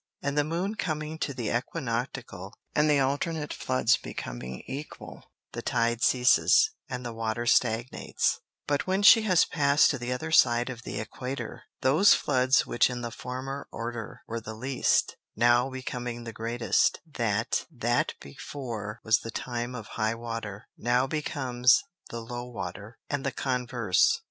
And the Moon coming to the Æquinoctial, and the alternate Floods becoming equal, the Tide ceases, and the Water stagnates: But when she has pass'd to the other side of the Equator, those Floods which in the former Order were the least, now becoming the greatest, that That before was the time of High water, now becomes the Low water, and the Converse.